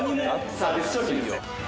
サービス商品ですね。